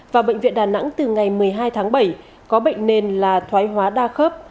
và bệnh viện đà nẵng từ ngày một mươi hai tháng bảy có bệnh nền là thoái hóa đa khớp